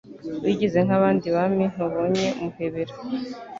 Wagize nk'abandi Bami Ntubonye Muhebera